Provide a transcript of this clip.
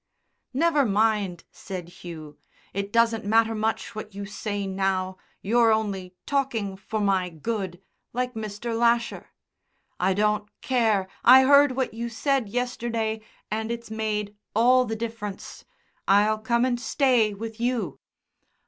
"Never mind," said Hugh, "it doesn't matter much what you say now, you're only talking 'for my good' like Mr. Lasher. I don't care, I heard what you said yesterday, and it's made all the difference. I'll come and stay with you."